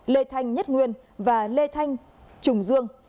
lê thanh nhất nguyên và lê thanh trùng dương